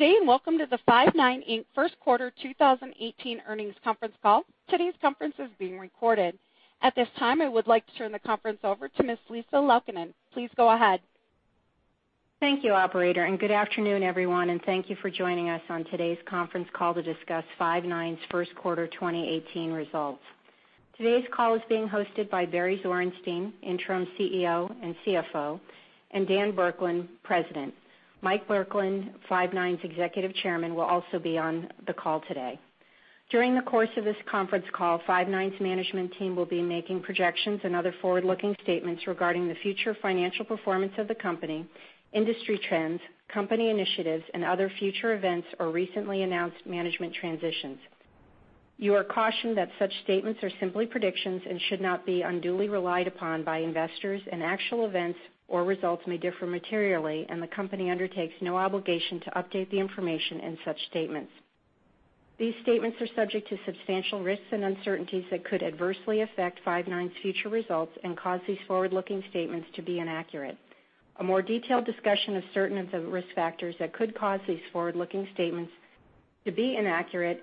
Good day. Welcome to the Five9, Inc. First Quarter 2018 Earnings Conference Call. Today's conference is being recorded. At this time, I would like to turn the conference over to Ms. Lisa Laukkanen. Please go ahead. Thank you, operator. Good afternoon, everyone, and thank you for joining us on today's conference call to discuss Five9's First Quarter 2018 results. Today's call is being hosted by Barry Zwarenstein, Interim CEO and CFO, and Dan Burkland, President. Mike Burkland, Five9's Executive Chairman, will also be on the call today. During the course of this conference call, Five9's management team will be making projections and other forward-looking statements regarding the future financial performance of the company, industry trends, company initiatives, and other future events or recently announced management transitions. You are cautioned that such statements are simply predictions and should not be unduly relied upon by investors and actual events or results may differ materially, and the company undertakes no obligation to update the information in such statements. These statements are subject to substantial risks and uncertainties that could adversely affect Five9's future results and cause these forward-looking statements to be inaccurate. A more detailed discussion of certain of the risk factors that could cause these forward-looking statements to be inaccurate,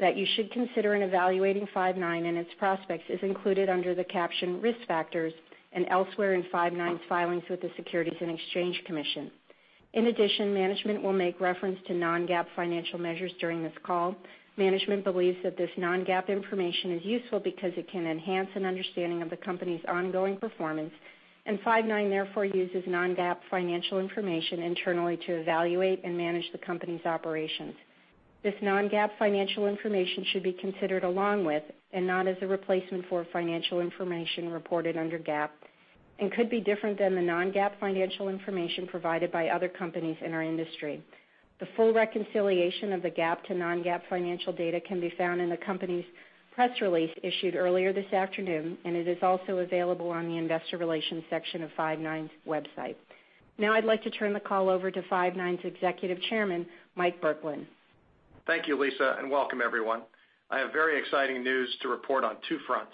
that you should consider in evaluating Five9 and its prospects is included under the caption Risk Factors and elsewhere in Five9's filings with the Securities and Exchange Commission. In addition, management will make reference to non-GAAP financial measures during this call. Management believes that this non-GAAP information is useful because it can enhance an understanding of the company's ongoing performance, and Five9 therefore uses non-GAAP financial information internally to evaluate and manage the company's operations. This non-GAAP financial information should be considered along with, and not as a replacement for, financial information reported under GAAP and could be different than the non-GAAP financial information provided by other companies in our industry. The full reconciliation of the GAAP to non-GAAP financial data can be found in the company's press release issued earlier this afternoon, and it is also available on the investor relations section of Five9's website. Now I'd like to turn the call over to Five9's Executive Chairman, Mike Burkland. Thank you, Lisa, welcome everyone. I have very exciting news to report on two fronts.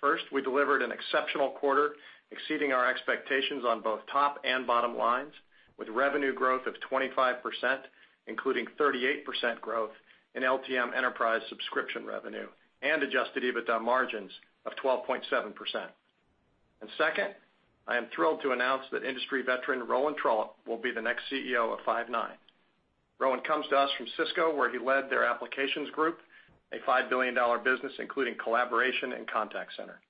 First, we delivered an exceptional quarter, exceeding our expectations on both top and bottom lines, with revenue growth of 25%, including 38% growth in LTM enterprise subscription revenue and adjusted EBITDA margins of 12.7%. Second, I am thrilled to announce that industry veteran Rowan Trollope will be the next CEO of Five9. Rowan comes to us from Cisco, where he led their applications group, a $5 billion business, including collaboration and contact center.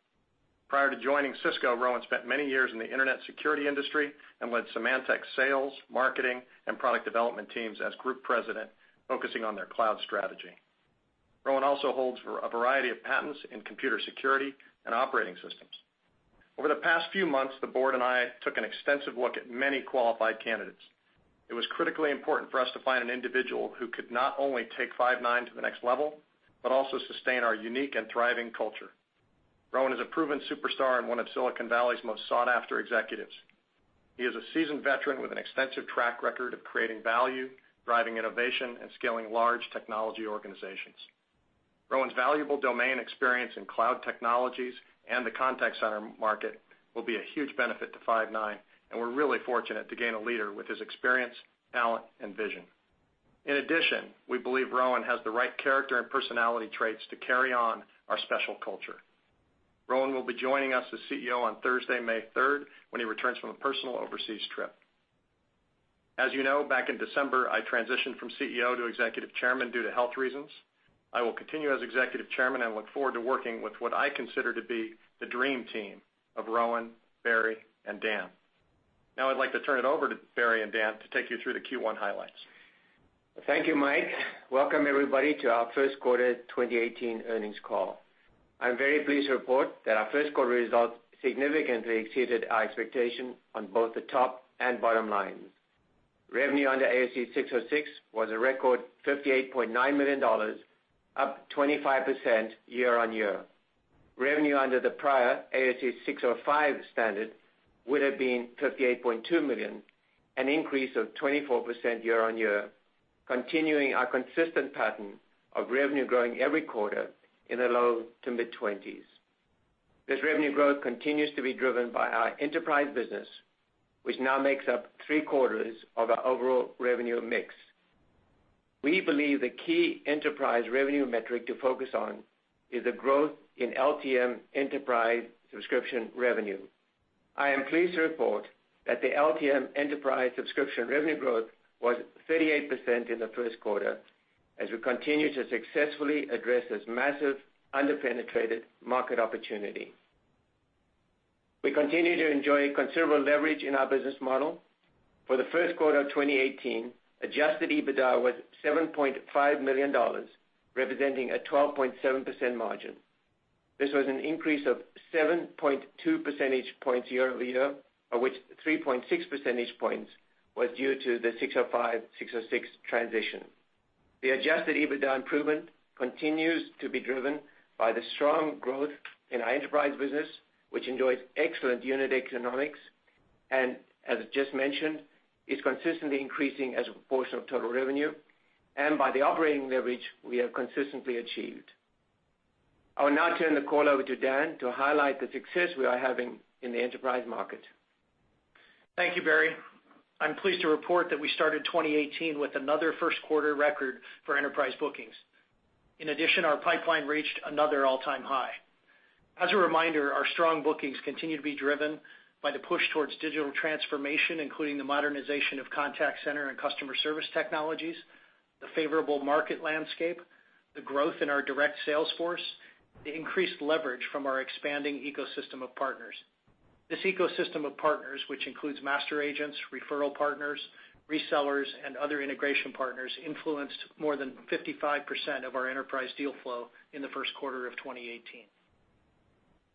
Prior to joining Cisco, Rowan spent many years in the internet security industry and led Symantec's sales, marketing, and product development teams as Group President, focusing on their cloud strategy. Rowan also holds a variety of patents in computer security and operating systems. Over the past few months, the board and I took an extensive look at many qualified candidates. It was critically important for us to find an individual who could not only take Five9 to the next level, but also sustain our unique and thriving culture. Rowan is a proven superstar and one of Silicon Valley's most sought-after executives. He is a seasoned veteran with an extensive track record of creating value, driving innovation, and scaling large technology organizations. Rowan's valuable domain experience in cloud technologies and the contact center market will be a huge benefit to Five9, and we're really fortunate to gain a leader with his experience, talent, and vision. In addition, we believe Rowan has the right character and personality traits to carry on our special culture. Rowan will be joining us as CEO on Thursday, May 3rd, when he returns from a personal overseas trip. As you know, back in December, I transitioned from CEO to Executive Chairman due to health reasons. I will continue as Executive Chairman and look forward to working with what I consider to be the dream team of Rowan, Barry, and Dan. I'd like to turn it over to Barry and Dan to take you through the Q1 highlights. Thank you, Mike. Welcome, everybody to our first quarter 2018 earnings call. I'm very pleased to report that our first quarter results significantly exceeded our expectation on both the top and bottom lines. Revenue under ASC 606 was a record $58.9 million, up 25% year-on-year. Revenue under the prior ASC 605 standard would have been $58.2 million, an increase of 24% year-on-year, continuing our consistent pattern of revenue growing every quarter in the low to mid-20s. This revenue growth continues to be driven by our enterprise business, which now makes up three-quarters of our overall revenue mix. We believe the key enterprise revenue metric to focus on is the growth in LTM enterprise subscription revenue. I am pleased to report that the LTM enterprise subscription revenue growth was 38% in the first quarter, as we continue to successfully address this massive under-penetrated market opportunity. We continue to enjoy considerable leverage in our business model. For the first quarter of 2018, adjusted EBITDA was $7.5 million, representing a 12.7% margin. This was an increase of 7.2 percentage points year-over-year, of which 3.6 percentage points was due to the 605, 606 transition. The adjusted EBITDA improvement continues to be driven by the strong growth in our enterprise business, which enjoys excellent unit economics and, as just mentioned, is consistently increasing as a proportion of total revenue and by the operating leverage we have consistently achieved. I will now turn the call over to Dan to highlight the success we are having in the enterprise market. Thank you, Barry. I am pleased to report that we started 2018 with another first quarter record for enterprise bookings. In addition, our pipeline reached another all-time high. As a reminder, our strong bookings continue to be driven by the push towards digital transformation, including the modernization of contact center and customer service technologies, the favorable market landscape, the growth in our direct sales force, the increased leverage from our expanding ecosystem of partners. This ecosystem of partners, which includes master agents, referral partners, resellers, and other integration partners, influenced more than 55% of our enterprise deal flow in the first quarter of 2018.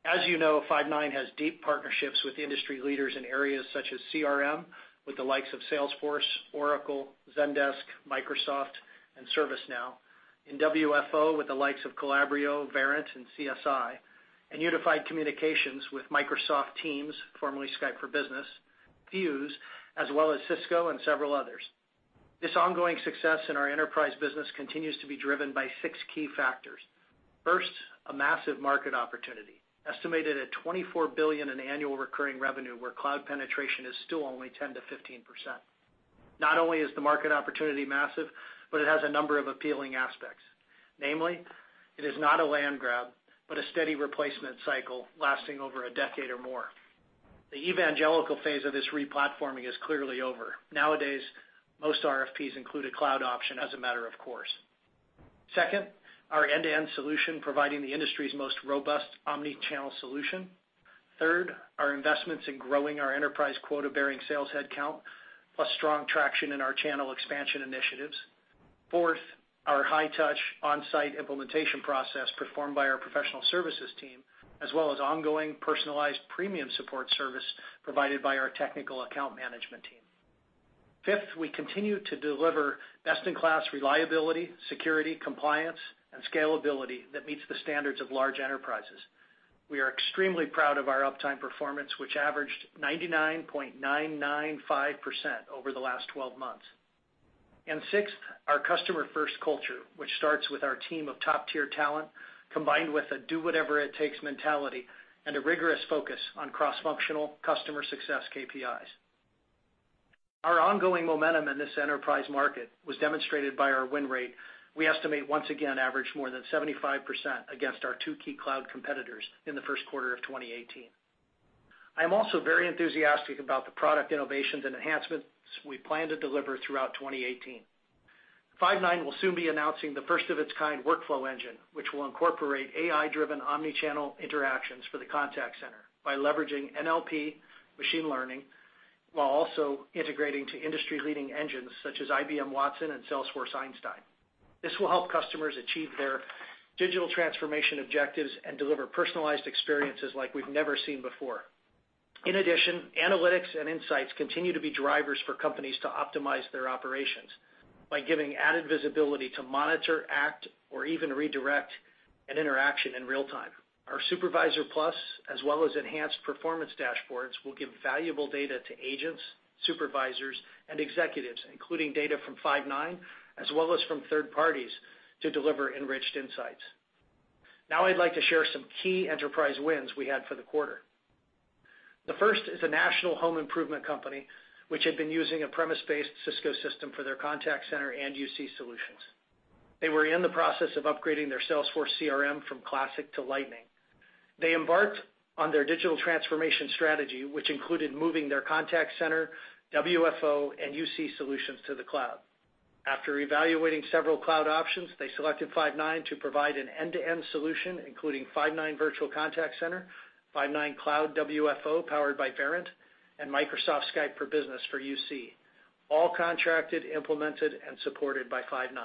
As you know, Five9 has deep partnerships with industry leaders in areas such as CRM, with the likes of Salesforce, Oracle, Zendesk, Microsoft and ServiceNow, and WFO with the likes of Calabrio, Verint, and CSI, and unified communications with Microsoft Teams, formerly Skype for Business, Fuze, as well as Cisco and several others. This ongoing success in our enterprise business continues to be driven by six key factors. First, a massive market opportunity, estimated at $24 billion in annual recurring revenue, where cloud penetration is still only 10%-15%. Not only is the market opportunity massive, but it has a number of appealing aspects. Namely, it is not a land grab, but a steady replacement cycle lasting over a decade or more. The evangelical phase of this re-platforming is clearly over. Nowadays, most RFPs include a cloud option as a matter of course. Second, our end-to-end solution providing the industry's most robust omni-channel solution. Third, our investments in growing our enterprise quota-bearing sales headcount, plus strong traction in our channel expansion initiatives. Fourth, our high-touch on-site implementation process performed by our professional services team, as well as ongoing personalized premium support service provided by our technical account management team. Fifth, we continue to deliver best-in-class reliability, security, compliance, and scalability that meets the standards of large enterprises. We are extremely proud of our uptime performance, which averaged 99.995% over the last 12 months. Sixth, our customer-first culture, which starts with our team of top-tier talent, combined with a do-whatever-it-takes mentality and a rigorous focus on cross-functional customer success KPIs. Our ongoing momentum in this enterprise market was demonstrated by our win rate. We estimate, once again, averaged more than 75% against our two key cloud competitors in the first quarter of 2018. I am also very enthusiastic about the product innovations and enhancements we plan to deliver throughout 2018. Five9 will soon be announcing the first-of-its-kind workflow engine, which will incorporate AI-driven omni-channel interactions for the contact center by leveraging NLP machine learning, while also integrating to industry-leading engines such as IBM Watson and Salesforce Einstein. This will help customers achieve their digital transformation objectives and deliver personalized experiences like we've never seen before. In addition, analytics and insights continue to be drivers for companies to optimize their operations by giving added visibility to monitor, act, or even redirect an interaction in real time. Our Five9 Supervisor Plus, as well as enhanced performance dashboards, will give valuable data to agents, supervisors, and executives, including data from Five9, as well as from third parties to deliver enriched insights. I'd like to share some key enterprise wins we had for the quarter. The first is a national home improvement company, which had been using a premise-based Cisco system for their contact center and UC solutions. They were in the process of upgrading their Salesforce CRM from Classic to Lightning. They embarked on their digital transformation strategy, which included moving their contact center, WFO, and UC solutions to the cloud. After evaluating several cloud options, they selected Five9 to provide an end-to-end solution, including Five9 Virtual Contact Center, Five9 Cloud WFO powered by Verint, and Microsoft Skype for Business for UC, all contracted, implemented, and supported by Five9.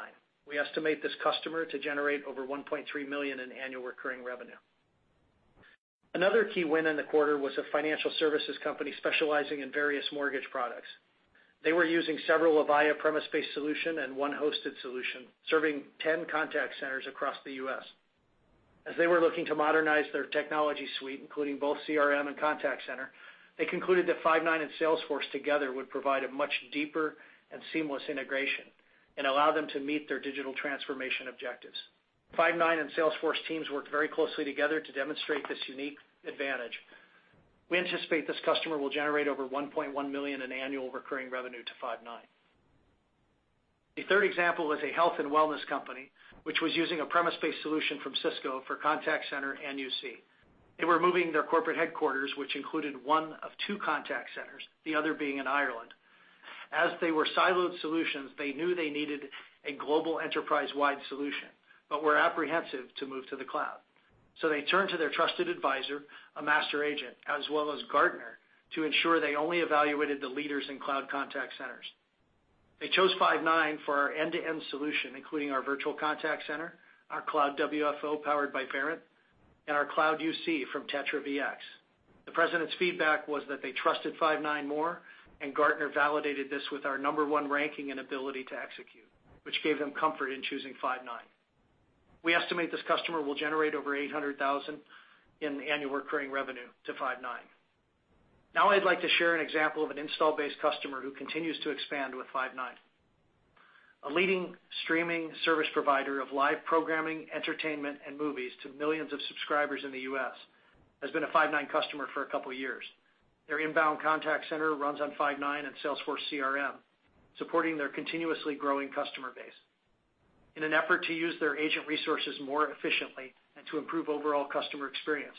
We estimate this customer to generate over $1.3 million in annual recurring revenue. Another key win in the quarter was a financial services company specializing in various mortgage products. They were using several Avaya premise-based solution and one hosted solution, serving 10 contact centers across the U.S. They were looking to modernize their technology suite, including both CRM and contact center, they concluded that Five9 and Salesforce together would provide a much deeper and seamless integration and allow them to meet their digital transformation objectives. Five9 and Salesforce teams worked very closely together to demonstrate this unique advantage. We anticipate this customer will generate over $1.1 million in annual recurring revenue to Five9. The third example was a health and wellness company, which was using a premise-based solution from Cisco for contact center and UC. They were moving their corporate headquarters, which included one of two contact centers, the other being in Ireland. They were siloed solutions, they knew they needed a global enterprise-wide solution but were apprehensive to move to the cloud. They turned to their trusted advisor, a master agent, as well as Gartner, to ensure they only evaluated the leaders in cloud contact centers. They chose Five9 for our end-to-end solution, including our virtual contact center, our cloud WFO powered by Verint, and our cloud UC from TetraVX. The president's feedback was that they trusted Five9 more, and Gartner validated this with our number one ranking and ability to execute, which gave them comfort in choosing Five9. We estimate this customer will generate over $800,000 in annual recurring revenue to Five9. I'd like to share an example of an install-based customer who continues to expand with Five9. A leading streaming service provider of live programming, entertainment, and movies to millions of subscribers in the U.S., has been a Five9 customer for a couple of years. Their inbound contact center runs on Five9 and Salesforce CRM, supporting their continuously growing customer base. In an effort to use their agent resources more efficiently and to improve overall customer experience,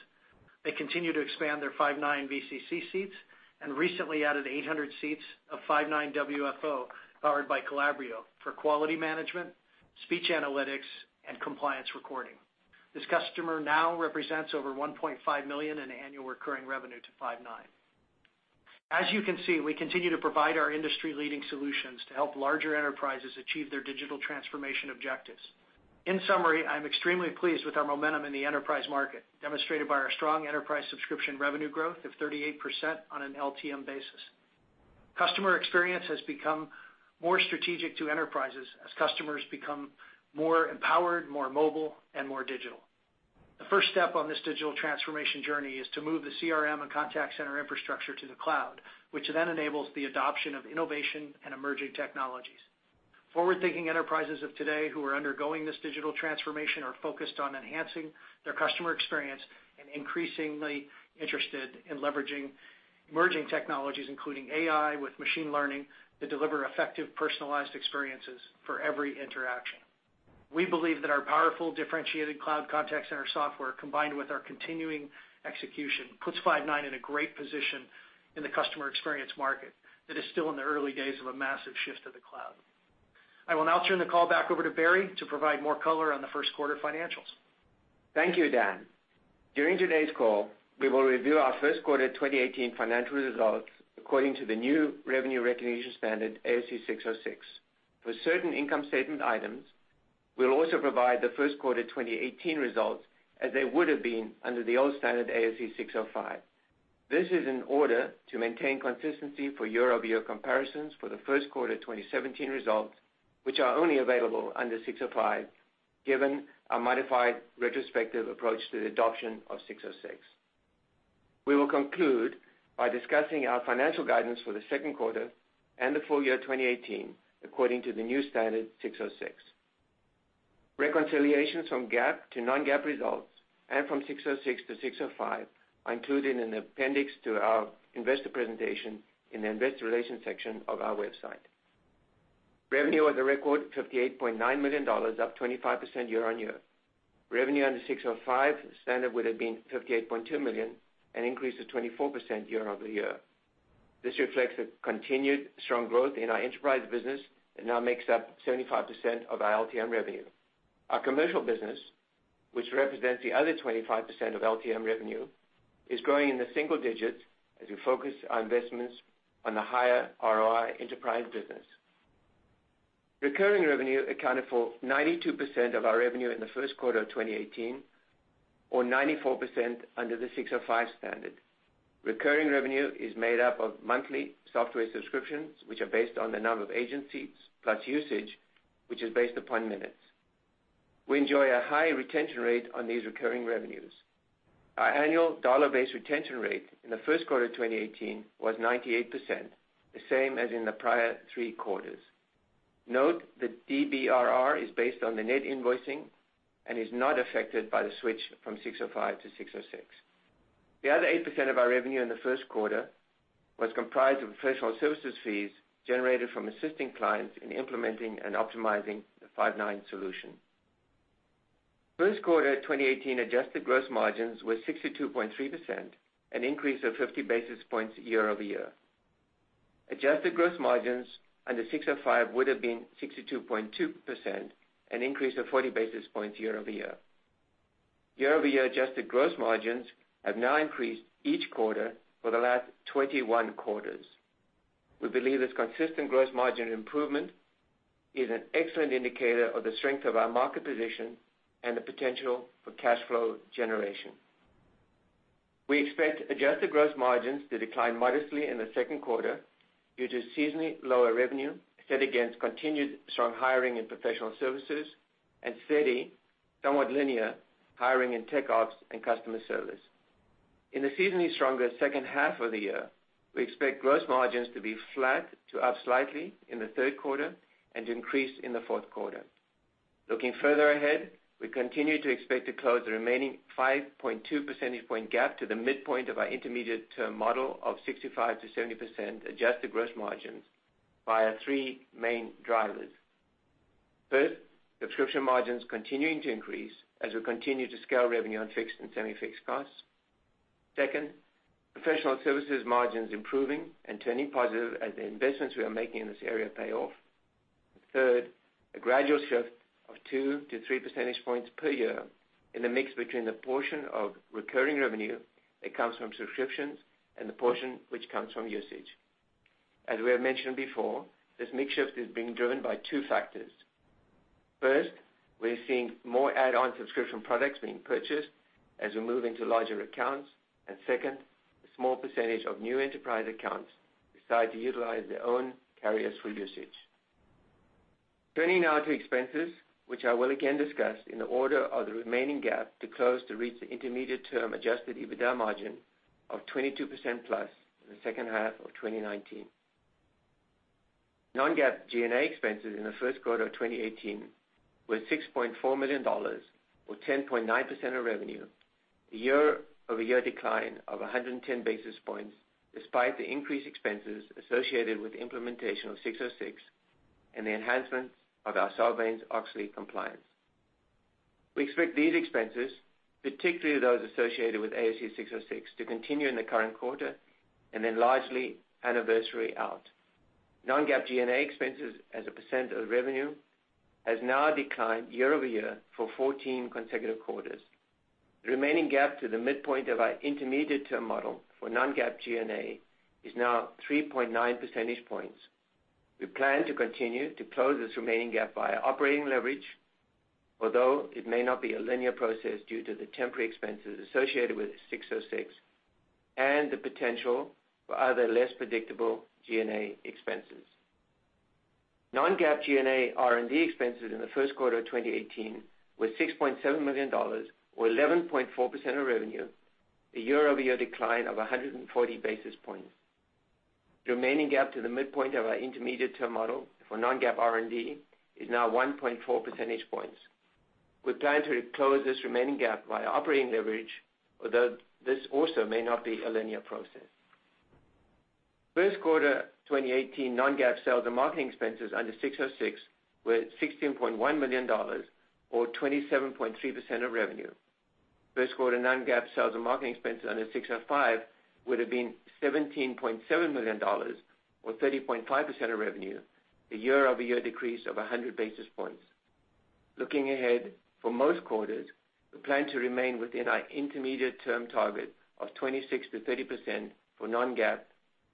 they continue to expand their Five9 VCC seats and recently added 800 seats of Five9 WFO, powered by Calabrio for quality management, speech analytics, and compliance recording. This customer now represents over $1.5 million in annual recurring revenue to Five9. As you can see, we continue to provide our industry-leading solutions to help larger enterprises achieve their digital transformation objectives. In summary, I'm extremely pleased with our momentum in the enterprise market, demonstrated by our strong enterprise subscription revenue growth of 38% on an LTM basis. Customer experience has become more strategic to enterprises as customers become more empowered, more mobile, and more digital. The first step on this digital transformation journey is to move the CRM and contact center infrastructure to the cloud, which then enables the adoption of innovation and emerging technologies. Forward-thinking enterprises of today who are undergoing this digital transformation are focused on enhancing their customer experience and increasingly interested in leveraging emerging technologies, including AI with machine learning, to deliver effective personalized experiences for every interaction. We believe that our powerful, differentiated cloud contact center software, combined with our continuing execution, puts Five9 in a great position in the customer experience market that is still in the early days of a massive shift to the cloud. I will now turn the call back over to Barry to provide more color on the first quarter financials. Thank you, Dan. During today's call, we will review our first quarter 2018 financial results according to the new revenue recognition standard, ASC 606. For certain income statement items, we'll also provide the first quarter 2018 results as they would've been under the old standard, ASC 605. This is in order to maintain consistency for year-over-year comparisons for the first quarter 2017 results, which are only available under 605, given a modified retrospective approach to the adoption of 606. We will conclude by discussing our financial guidance for the second quarter and the full year 2018, according to the new standard, 606. Reconciliations from GAAP to non-GAAP results and from 606 to 605 are included in an appendix to our investor presentation in the investor relations section of our website. Revenue was a record $58.9 million, up 25% year-over-year. Revenue under 605 standard would've been $58.2 million, an increase of 24% year-over-year. This reflects the continued strong growth in our enterprise business and now makes up 75% of our LTM revenue. Our commercial business, which represents the other 25% of LTM revenue, is growing in the single digits as we focus our investments on the higher ROI enterprise business. Recurring revenue accounted for 92% of our revenue in the first quarter of 2018, or 94% under the 605 standard. Recurring revenue is made up of monthly software subscriptions, which are based on the number of agent seats, plus usage, which is based upon minutes. We enjoy a high retention rate on these recurring revenues. Our annual dollar-based retention rate in the first quarter 2018 was 98%, the same as in the prior three quarters. Note that DBRR is based on the net invoicing and is not affected by the switch from 605 to 606. The other 8% of our revenue in the first quarter was comprised of professional services fees generated from assisting clients in implementing and optimizing the Five9 solution. First quarter 2018 adjusted gross margins were 62.3%, an increase of 50 basis points year-over-year. Adjusted gross margins under 605 would've been 62.2%, an increase of 40 basis points year-over-year. Year-over-year adjusted gross margins have now increased each quarter for the last 21 quarters. We believe this consistent gross margin improvement is an excellent indicator of the strength of our market position and the potential for cash flow generation. We expect adjusted gross margins to decline modestly in the second quarter due to seasonally lower revenue set against continued strong hiring in professional services and steady, somewhat linear hiring in tech ops and customer service. In the seasonally stronger second half of the year, we expect gross margins to be flat to up slightly in the third quarter and increase in the fourth quarter. Looking further ahead, we continue to expect to close the remaining 5.2 percentage point gap to the midpoint of our intermediate-term model of 65%-70% adjusted gross margins via three main drivers. First, subscription margins continuing to increase as we continue to scale revenue on fixed and semi-fixed costs. Second, professional services margins improving and turning positive as the investments we are making in this area pay off. Third, a gradual shift of two to three percentage points per year in the mix between the portion of recurring revenue that comes from subscriptions and the portion which comes from usage. As we have mentioned before, this mix shift is being driven by two factors. First, we're seeing more add-on subscription products being purchased as we move into larger accounts. Second, a small percentage of new enterprise accounts decide to utilize their own carriers for usage. Turning now to expenses, which I will again discuss in the order of the remaining gap to close to reach the intermediate term adjusted EBITDA margin of 22%+ in the second half of 2019. Non-GAAP G&A expenses in the first quarter of 2018 were $6.4 million, or 10.9% of revenue, a year-over-year decline of 110 basis points, despite the increased expenses associated with the implementation of 606 and the enhancements of our Sarbanes-Oxley Act compliance. We expect these expenses, particularly those associated with ASC 606, to continue in the current quarter and then largely anniversary out. Non-GAAP G&A expenses as a % of revenue has now declined year-over-year for 14 consecutive quarters. The remaining gap to the midpoint of our intermediate-term model for non-GAAP G&A is now 3.9 percentage points. We plan to continue to close this remaining gap via operating leverage, although it may not be a linear process due to the temporary expenses associated with 606 and the potential for other less predictable G&A expenses. Non-GAAP R&D expenses in the first quarter of 2018 were $6.7 million, or 11.4% of revenue, a year-over-year decline of 140 basis points. The remaining gap to the midpoint of our intermediate term model for non-GAAP R&D is now 1.4 percentage points. We plan to close this remaining gap via operating leverage, although this also may not be a linear process. First quarter 2018 non-GAAP sales and marketing expenses under 606 were $16.1 million, or 27.3% of revenue. First quarter non-GAAP sales and marketing expenses under 605 would've been $17.7 million, or 30.5% of revenue, a year-over-year decrease of 100 basis points. Looking ahead, for most quarters, we plan to remain within our intermediate term target of 26%-30% for non-GAAP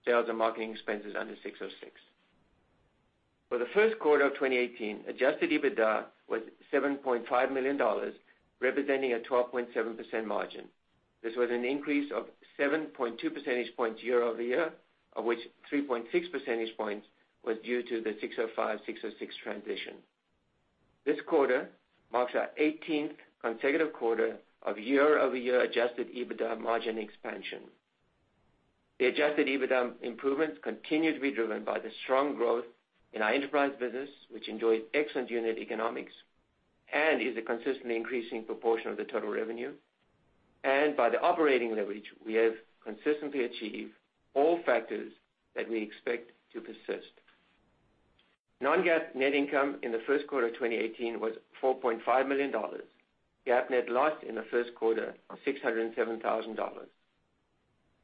sales and marketing expenses under 606. For the first quarter of 2018, adjusted EBITDA was $7.5 million, representing a 12.7% margin. This was an increase of 7.2 percentage points year-over-year, of which 3.6 percentage points was due to the 605, 606 transition. This quarter marks our 18th consecutive quarter of year-over-year adjusted EBITDA margin expansion. The adjusted EBITDA improvements continue to be driven by the strong growth in our enterprise business, which enjoys excellent unit economics and is a consistently increasing proportion of the total revenue, and by the operating leverage we have consistently achieved all factors that we expect to persist. Non-GAAP net income in the first quarter of 2018 was $4.5 million. GAAP net loss in the first quarter of $607,000.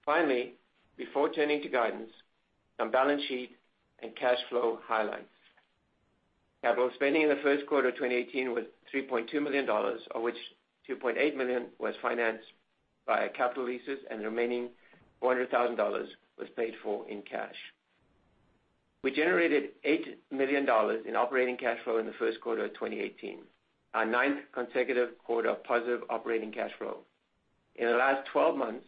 Finally, before turning to guidance, some balance sheet and cash flow highlights. Capital spending in the first quarter of 2018 was $3.2 million, of which $2.8 million was financed via capital leases and the remaining $400,000 was paid for in cash. We generated $8 million in operating cash flow in the first quarter of 2018, our ninth consecutive quarter of positive operating cash flow. In the last 12 months,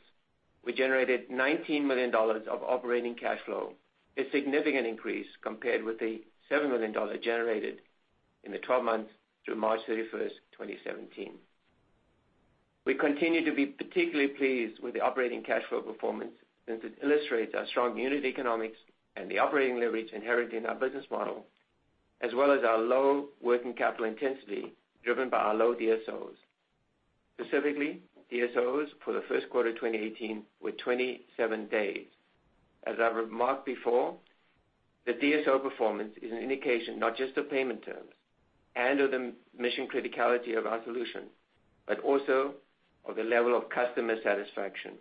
we generated $19 million of operating cash flow, a significant increase compared with the $7 million generated in the 12 months through March 31st, 2017. We continue to be particularly pleased with the operating cash flow performance since it illustrates our strong unit economics and the operating leverage inherent in our business model, as well as our low working capital intensity driven by our low DSOs. Specifically, DSOs for the first quarter 2018 were 27 days. As I've remarked before, the DSO performance is an indication not just of payment terms and of the mission criticality of our solution, but also of the level of customer satisfaction.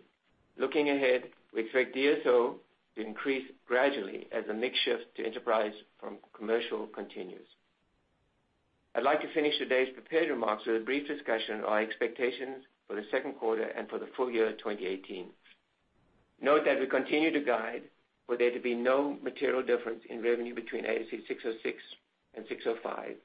Looking ahead, we expect DSO to increase gradually as the mix shift to enterprise from commercial continues. I'd like to finish today's prepared remarks with a brief discussion on our expectations for the second quarter and for the full year 2018. Note that we continue to guide for there to be no material difference in revenue between ASC 606 and 605,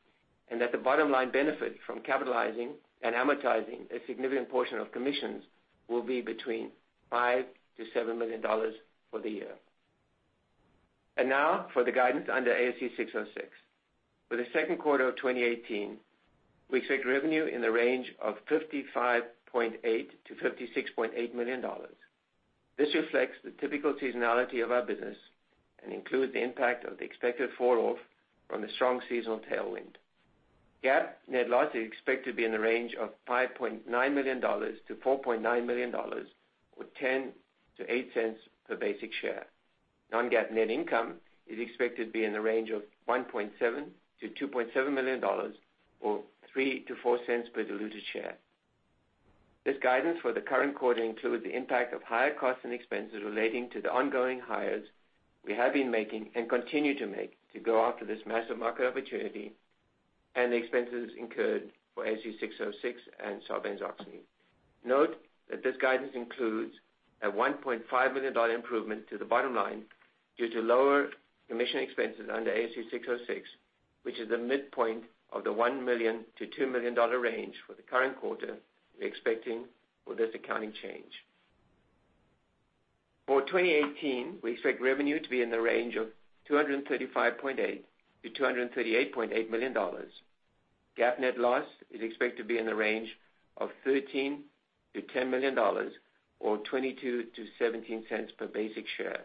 and that the bottom line benefit from capitalizing and amortizing a significant portion of commissions will be between $5 million-$7 million for the year. Now for the guidance under ASC 606. For the second quarter of 2018, we expect revenue in the range of $55.8 million-$56.8 million. This reflects the typical seasonality of our business and includes the impact of the expected falloff from the strong seasonal tailwind. GAAP net loss is expected to be in the range of $5.9 million-$4.9 million, or $0.10-$0.08 per basic share. Non-GAAP net income is expected to be in the range of $1.7 million-$2.7 million, or $0.03-$0.04 per diluted share. This guidance for the current quarter includes the impact of higher costs and expenses relating to the ongoing hires we have been making and continue to make to go after this massive market opportunity and the expenses incurred for ASC 606 and Sarbanes-Oxley. Note that this guidance includes a $1.5 million improvement to the bottom line due to lower commission expenses under ASC 606, which is the midpoint of the $1 million-$2 million range for the current quarter we're expecting with this accounting change. For 2018, we expect revenue to be in the range of $235.8 million-$238.8 million. GAAP net loss is expected to be in the range of $13 million-$10 million, or $0.22-$0.17 per basic share.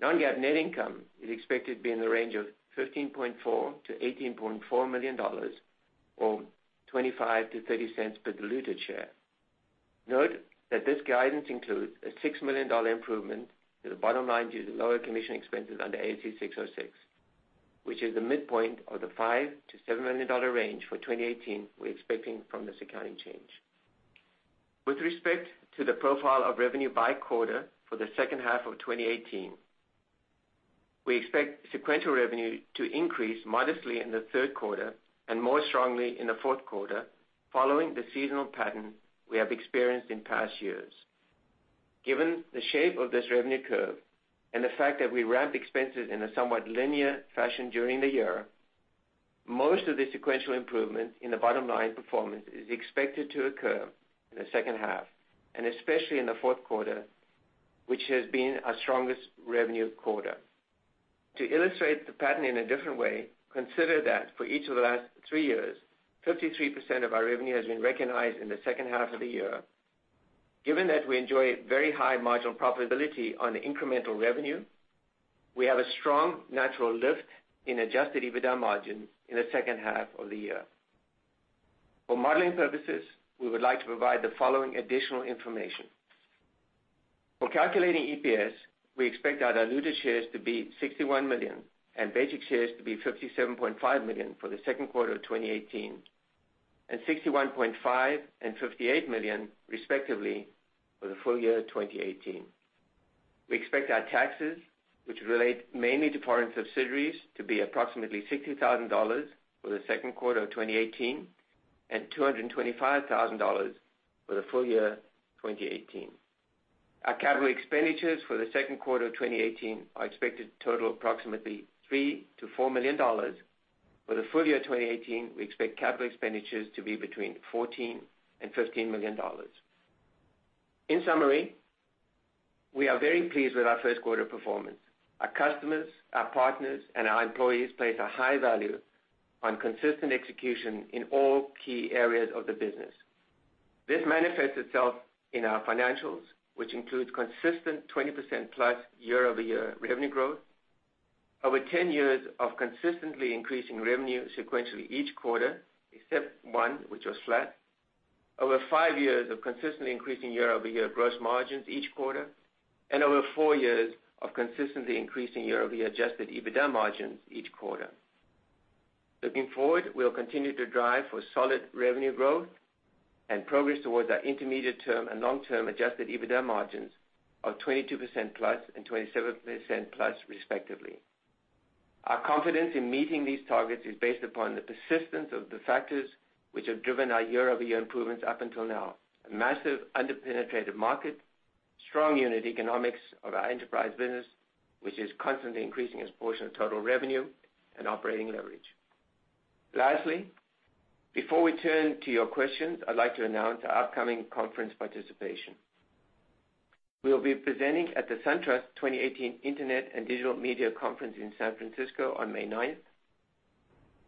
Non-GAAP net income is expected to be in the range of $15.4 million-$18.4 million, or $0.25-$0.30 per diluted share. Note that this guidance includes a $6 million improvement to the bottom line due to lower commission expenses under ASC 606, which is the midpoint of the $5 million-$7 million range for 2018 we're expecting from this accounting change. With respect to the profile of revenue by quarter for the second half of 2018, we expect sequential revenue to increase modestly in the third quarter and more strongly in the fourth quarter, following the seasonal pattern we have experienced in past years. Given the shape of this revenue curve and the fact that we ramp expenses in a somewhat linear fashion during the year, most of the sequential improvement in the bottom line performance is expected to occur in the second half, and especially in the fourth quarter, which has been our strongest revenue quarter. To illustrate the pattern in a different way, consider that for each of the last three years, 53% of our revenue has been recognized in the second half of the year. Given that we enjoy very high marginal profitability on incremental revenue, we have a strong natural lift in adjusted EBITDA margin in the second half of the year. For modeling purposes, we would like to provide the following additional information. For calculating EPS, we expect our diluted shares to be 61 million and basic shares to be 57.5 million for the second quarter of 2018, and 61.5 million and 58 million, respectively, for the full year 2018. We expect our taxes, which relate mainly to foreign subsidiaries, to be approximately $60,000 for the second quarter of 2018, and $225,000 for the full year 2018. Our capital expenditures for the second quarter 2018 are expected to total approximately $3 million-$4 million. For the full year 2018, we expect capital expenditures to be between $14 million and $15 million. In summary, we are very pleased with our first quarter performance. Our customers, our partners, and our employees place a high value on consistent execution in all key areas of the business. This manifests itself in our financials, which includes consistent 20%+ year-over-year revenue growth. Over 10 years of consistently increasing revenue sequentially each quarter, except one, which was flat, over five years of consistently increasing year-over-year gross margins each quarter, and over four years of consistently increasing year-over-year adjusted EBITDA margins each quarter. Looking forward, we'll continue to drive for solid revenue growth and progress towards our intermediate term and long-term adjusted EBITDA margins of 22% plus and 27% plus respectively. Our confidence in meeting these targets is based upon the persistence of the factors which have driven our year-over-year improvements up until now. A massive under-penetrated market, strong unit economics of our enterprise business, which is constantly increasing its portion of total revenue and operating leverage. Lastly, before we turn to your questions, I'd like to announce our upcoming conference participation. We'll be presenting at the SunTrust 2018 Internet and Digital Media Conference in San Francisco on May 9th,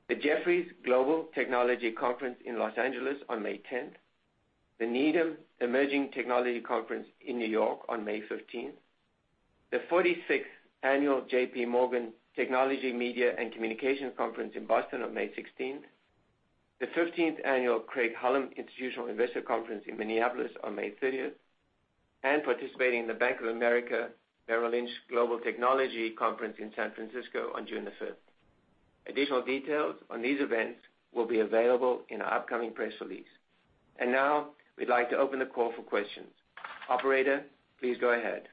the Jefferies Global Technology Conference in Los Angeles on May 10th, the Needham Emerging Technology Conference in New York on May 15th, the 46th Annual J.P. Morgan Technology, Media, and Communication Conference in Boston on May 16th, the 15th Annual Craig-Hallum Institutional Investor Conference in Minneapolis on May 30th, and participating in the Bank of America Merrill Lynch Global Technology Conference in San Francisco on June 5th. Additional details on these events will be available in our upcoming press release. Now, we'd like to open the call for questions. Operator, please go ahead.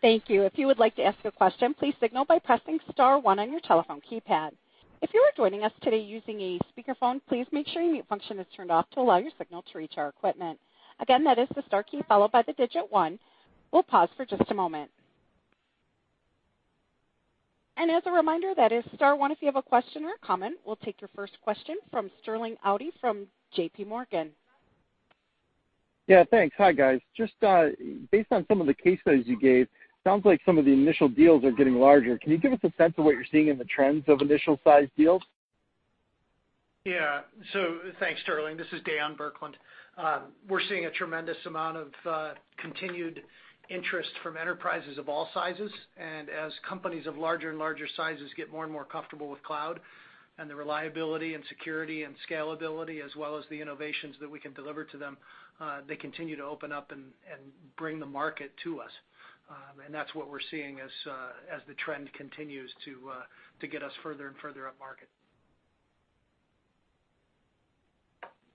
Thank you. If you would like to ask a question, please signal by pressing *1 on your telephone keypad. If you are joining us today using a speakerphone, please make sure your mute function is turned off to allow your signal to reach our equipment. Again, that is the * key, followed by the digit 1. We'll pause for just a moment. As a reminder, that is *1 if you have a question or comment. We'll take your first question from Sterling Auty from J.P. Morgan. Yeah, thanks. Hi, guys. Just based on some of the case studies you gave, sounds like some of the initial deals are getting larger. Can you give us a sense of what you're seeing in the trends of initial size deals? Thanks, Sterling. This is Dan Burkland. We're seeing a tremendous amount of continued interest from enterprises of all sizes, as companies of larger and larger sizes get more and more comfortable with cloud and the reliability and security and scalability, as well as the innovations that we can deliver to them, they continue to open up and bring the market to us. That's what we're seeing as the trend continues to get us further and further up market.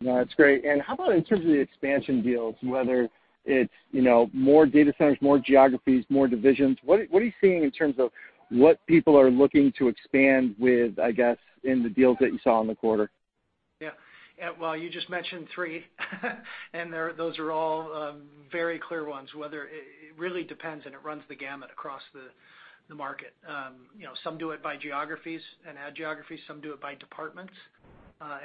That's great. How about in terms of the expansion deals, whether it's more data centers, more geographies, more divisions? What are you seeing in terms of what people are looking to expand with, I guess, in the deals that you saw in the quarter? Well, you just mentioned three, those are all very clear ones. It really depends, it runs the gamut across the market. Some do it by geographies, add geographies, some do it by departments,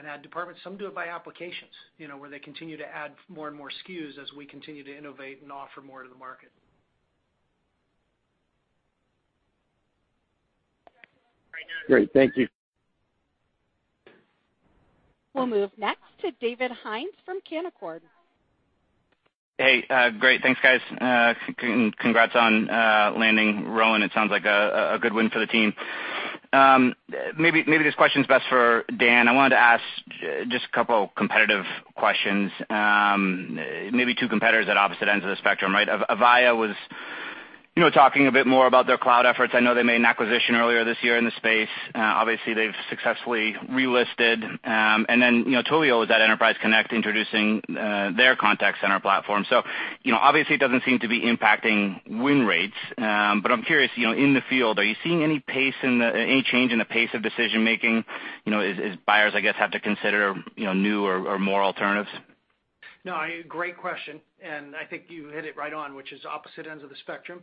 add departments, some do it by applications, where they continue to add more and more SKUs as we continue to innovate and offer more to the market. Great. Thank you. We'll move next to David Hynes from Canaccord. Hey, great. Thanks, guys. Congrats on landing Rowan. It sounds like a good win for the team. Maybe this question's best for Dan. I wanted to ask just a couple competitive questions, maybe two competitors at opposite ends of the spectrum, right? Avaya was talking a bit more about their cloud efforts. I know they made an acquisition earlier this year in the space. Obviously, they've successfully relisted. Twilio was at Enterprise Connect introducing their contact center platform. Obviously, it doesn't seem to be impacting win rates. I'm curious, in the field, are you seeing any change in the pace of decision-making, as buyers, I guess, have to consider new or more alternatives? No, great question. I think you hit it right on, which is opposite ends of the spectrum.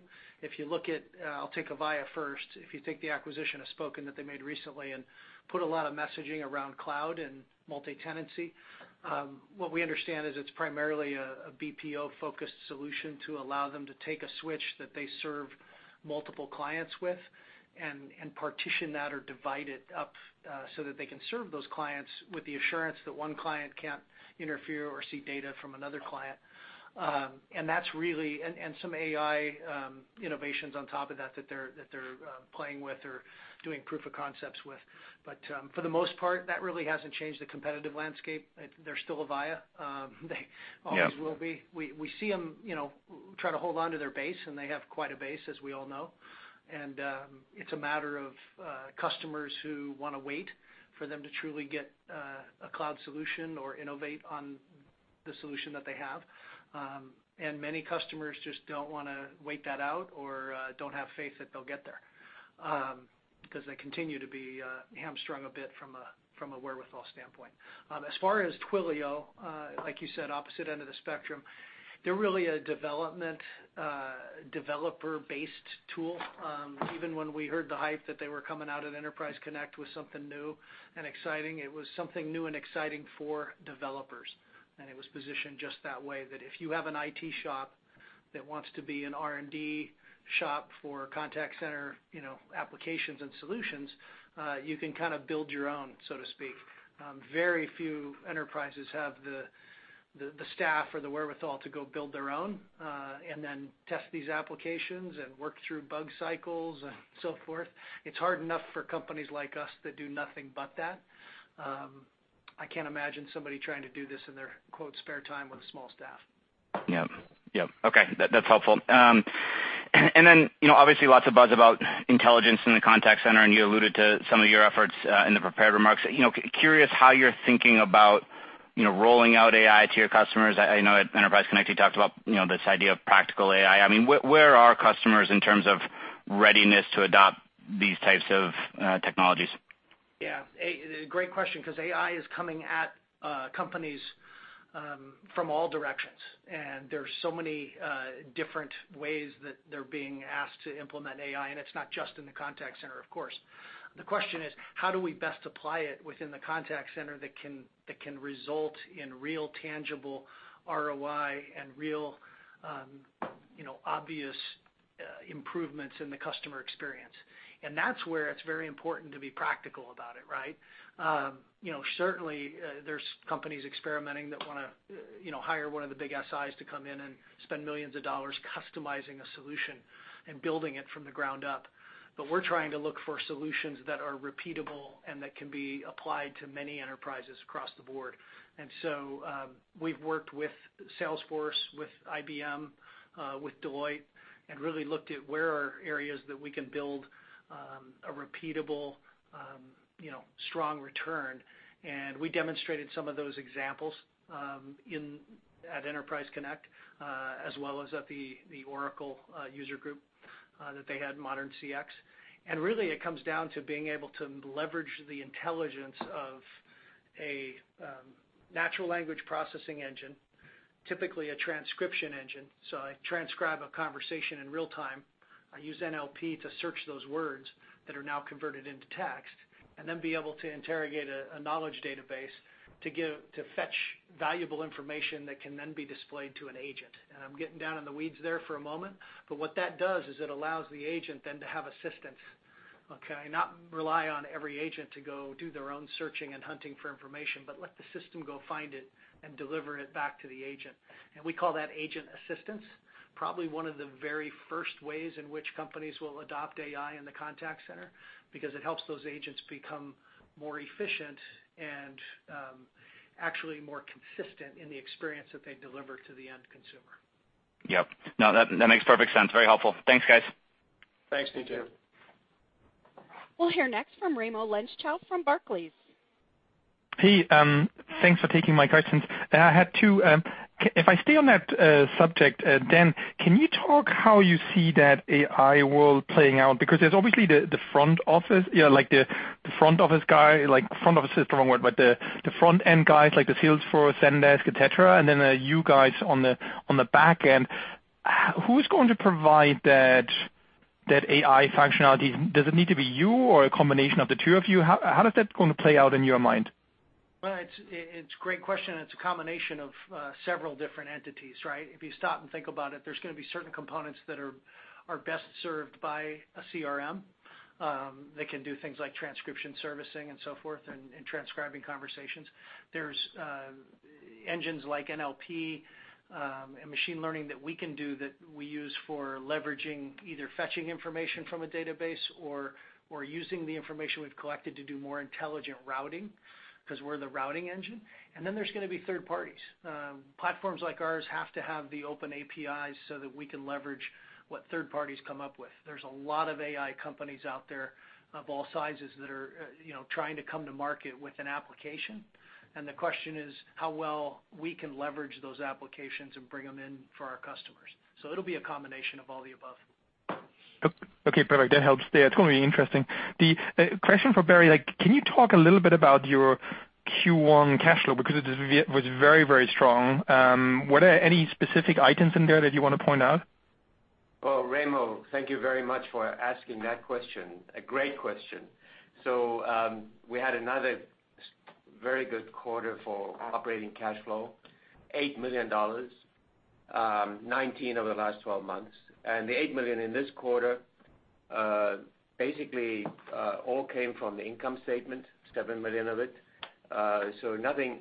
I'll take Avaya first. If you take the acquisition of Spoken that they made recently and put a lot of messaging around cloud and multi-tenancy, what we understand is it's primarily a BPO-focused solution to allow them to take a switch that they serve multiple clients with and partition that or divide it up, so that they can serve those clients with the assurance that one client can't interfere or see data from another client. Some AI innovations on top of that they're playing with or doing proof of concepts with. For the most part, that really hasn't changed the competitive landscape. They're still Avaya. They always will be. Yeah. We see them try to hold onto their base. They have quite a base, as we all know. It's a matter of customers who want to wait for them to truly get a cloud solution or innovate on the solution that they have. Many customers just don't want to wait that out or don't have faith that they'll get there, because they continue to be hamstrung a bit from a wherewithal standpoint. As far as Twilio, like you said, opposite end of the spectrum, they're really a developer-based tool. Even when we heard the hype that they were coming out at Enterprise Connect with something new and exciting, it was something new and exciting for developers. It was positioned just that way, that if you have an IT shop that wants to be an R&D shop for contact center applications and solutions, you can build your own, so to speak. Very few enterprises have the staff or the wherewithal to go build their own, test these applications and work through bug cycles and so forth. It's hard enough for companies like us that do nothing but that. I can't imagine somebody trying to do this in their quote, "spare time" with a small staff. Yep. Okay. That's helpful. Obviously lots of buzz about intelligence in the contact center, you alluded to some of your efforts in the prepared remarks. Curious how you're thinking about rolling out AI to your customers. I know at Enterprise Connect, you talked about this idea of practical AI. Where are customers in terms of readiness to adopt these types of technologies? Yeah. Great question. AI is coming at companies from all directions, there's so many different ways that they're being asked to implement AI, it's not just in the contact center, of course. The question is, how do we best apply it within the contact center that can result in real, tangible ROI and real obvious improvements in the customer experience? That's where it's very important to be practical about it, right? Certainly, there's companies experimenting that want to hire one of the big SIs to come in and spend millions of dollars customizing a solution and building it from the ground up. We're trying to look for solutions that are repeatable and that can be applied to many enterprises across the board. We've worked with Salesforce, with IBM, with Deloitte, really looked at where are areas that we can build a repeatable, strong return. We demonstrated some of those examples at Enterprise Connect, as well as at the Oracle user group that they had, Modern CX. It comes down to being able to leverage the intelligence of a natural language processing engine, typically a transcription engine. I transcribe a conversation in real time. I use NLP to search those words that are now converted into text, and then be able to interrogate a knowledge database to fetch valuable information that can then be displayed to an agent. I'm getting down in the weeds there for a moment, what that does is it allows the agent then to have assistance, okay? Not rely on every agent to go do their own searching and hunting for information, let the system go find it and deliver it back to the agent. We call that agent assistance. Probably one of the very first ways in which companies will adopt AI in the contact center, because it helps those agents become more efficient and actually more consistent in the experience that they deliver to the end consumer. Yep. No, that makes perfect sense. Very helpful. Thanks, guys. Thanks, David. We'll hear next from Raimo Lenschow from Barclays. Hey, thanks for taking my questions. If I stay on that subject, Dan, can you talk how you see that AI world playing out? Because there's obviously the front office guy, front office is the wrong word, but the front-end guys, like the Salesforce, Zendesk, et cetera, and then you guys on the back end. Who's going to provide that AI functionality? Does it need to be you or a combination of the two of you? How is that going to play out in your mind? Well, it's a great question. It's a combination of several different entities, right? If you stop and think about it, there's going to be certain components that are best served by a CRM. They can do things like transcription servicing and so forth, and transcribing conversations. There's engines like NLP and machine learning that we can do that we use for leveraging, either fetching information from a database or using the information we've collected to do more intelligent routing, because we're the routing engine. There's going to be third parties. Platforms like ours have to have the open APIs so that we can leverage what third parties come up with. There's a lot of AI companies out there of all sizes that are trying to come to market with an application. The question is how well we can leverage those applications and bring them in for our customers. It'll be a combination of all the above. Okay, perfect. That helps. Yeah, it's going to be interesting. The question for Barry, can you talk a little bit about your Q1 cash flow? Because it was very strong. Were there any specific items in there that you want to point out? Well, Raimo, thank you very much for asking that question. A great question. We had another very good quarter for operating cash flow, $8 million, $19 million over the last 12 months. The $8 million in this quarter basically all came from the income statement, $7 million of it. Nothing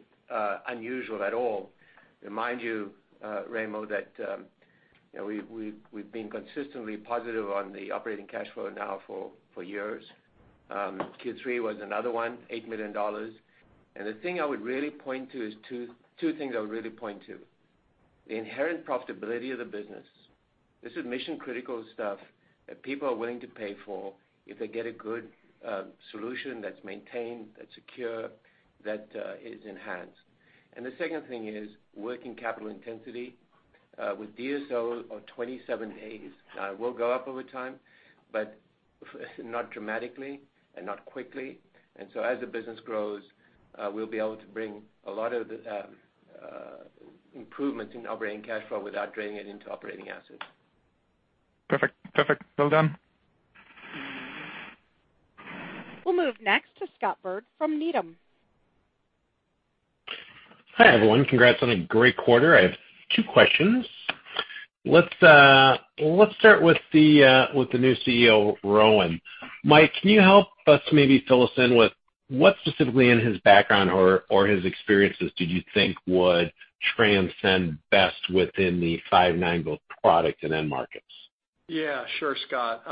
unusual at all. Remind you, Raimo, that we've been consistently positive on the operating cash flow now for years. Q3 was another one, $8 million. There's two things I would really point to. The inherent profitability of the business. This is mission-critical stuff that people are willing to pay for if they get a good solution that's maintained, that's secure, that is enhanced. The second thing is working capital intensity, with DSO of 27 days. It will go up over time, but not dramatically and not quickly. As the business grows, we'll be able to bring a lot of improvements in operating cash flow without draining it into operating assets. Perfect. Well done. We'll move next to Scott Berg from Needham. Hi, everyone. Congrats on a great quarter. I have two questions. Let's start with the new CEO, Rowan. Mike, can you help us maybe fill us in with what specifically in his background or his experiences did you think would transcend best within the Five9 both product and end markets? Sure, Scott.